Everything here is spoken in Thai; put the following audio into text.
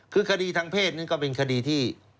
คือคดีทางเพศนั้นก็เป็นคดีที่